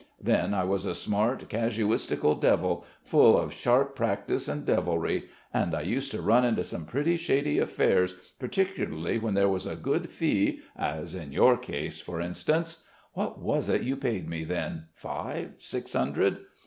Then I was a smart, casuistical devil, full of sharp practice and devilry.... and I used to run into some shady affairs, particularly when there was a good fee, as in your case, for instance. What was it you paid me then? Five six hundred.